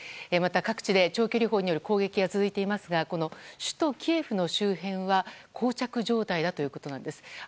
また、各地で長距離砲による攻撃が続いていますがこの首都キエフの周辺は膠着状態だということです。